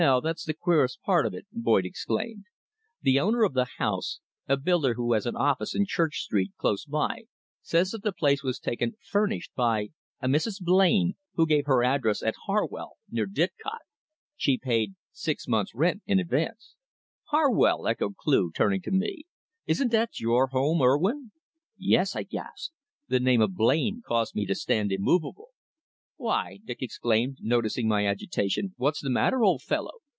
That's the queerest part of it," Boyd exclaimed. "The owner of the house, a builder who has an office in Church Street, close by, says that the place was taken furnished by a Mrs. Blain, who gave her address at Harwell, near Didcot. She paid six months' rent in advance." "Harwell!" echoed Cleugh, turning to me. "Isn't that your home, Urwin?" "Yes," I gasped. The name of Blain caused me to stand immovable. "Why," Dick exclaimed, noticing my agitation, "what's the matter, old fellow?